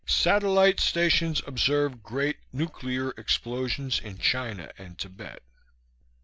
Satellite stations observe great nuclear explosions in China and Tibet.